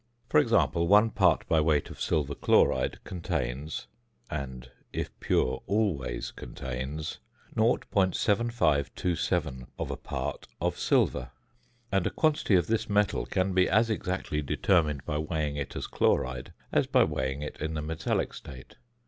For example, one part by weight of silver chloride contains (and, if pure, always contains) 0.7527 part of silver; and a quantity of this metal can be as exactly determined by weighing it as chloride as by weighing it in the metallic state.